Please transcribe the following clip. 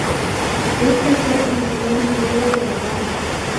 Este fue el primer video de la banda.